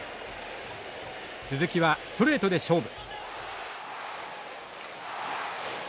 鈴木はストレートで勝負。